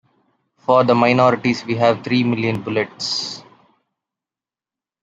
For the minorities we have three million bullets.